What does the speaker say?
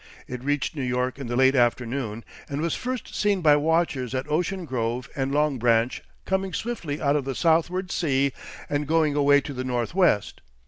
It reached New York in the late afternoon and was first seen by watchers at Ocean Grove and Long Branch coming swiftly out of the southward sea and going away to the northwest.